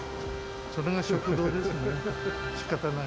それが食堂ですね。